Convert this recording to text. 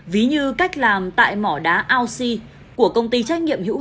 ví như cách làm tại mỏ đá auxi của công ty trách nhiệm hữu quản lý